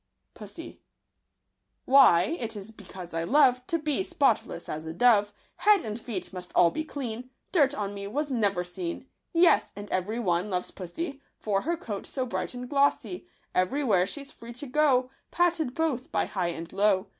Pussy .— Why ? it is because I love To be spotless as a dove ; Head and feet must all be clean, Dirt on me was never seen. Yes ! and every one loves pussy For her coat so bright and glossy ; Every where she's free to go, Patted both by high and low.